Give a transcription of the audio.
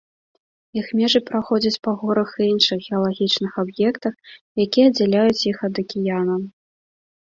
Іх межы праходзяць па горах і іншых геалагічных аб'ектах, якія аддзяляюць іх ад акіянаў.